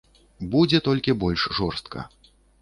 Будзе толькі больш жорстка.